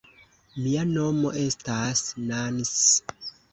Mia nomo estas Nans.